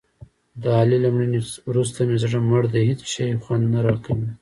د علي له مړینې ورسته مې زړه مړ دی. هېڅ شی خوند نه راکوي.